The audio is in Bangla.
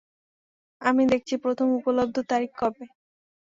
আমি দেখছি, প্রথম উপলব্ধ তারিখ কবে।